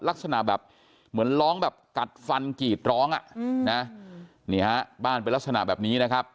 ลักษณะแบบเหมือนร้องแบบกัดฟันกรีดร้องอ่ะนะนี่ฮะบ้านเป็นลักษณะแบบนี้นะครับ